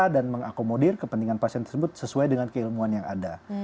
dan mengakomodir kepentingan pasien tersebut sesuai dengan keilmuan yang ada